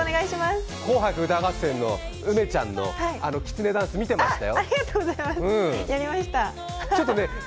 「紅白歌合戦」の梅ちゃんのあのきつねダンス見てましたよ。